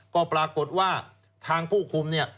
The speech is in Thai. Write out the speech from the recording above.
ก็ปรากฏว่าทางผู้คุมเนี่ย